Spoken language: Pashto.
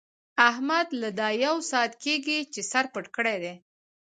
احمد له دا يو ساعت کېږي سر پټ کړی دی.